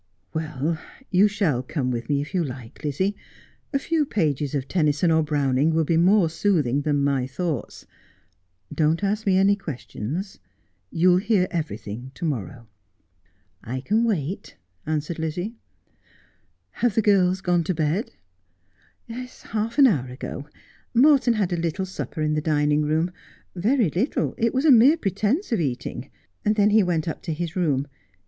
' Well, you shall come with me if you like, Lizzie. A few pages of Tennyson or Browning will be more soothing than my thoughts. Don't ask me any questions. You will hear every thing to morrow.' ' I can wait,' answered Lizzie. ' Have the girls gone to bed 1 '' Half an hour ago. Morton had a little supper in the dining room, very little, it was a mere pretence of eating, and then he went up to his room.